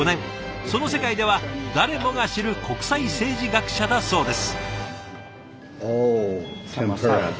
その世界では誰もが知る国際政治学者だそうです。